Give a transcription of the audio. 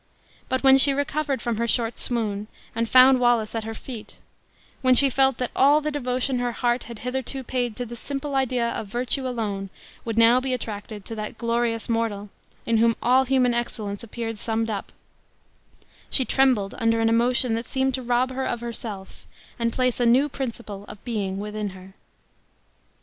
But when she recovered from her short swoon, and found Wallace at her feet; when she felt that all the devotion her heart had hitherto paid to the simple idea of virtue alone would now be attracted to that glorious mortal, in whom all human excellence appeared summed up, she trembled under an emotion that seemed to rob her of herself, and place a new principle of being within her.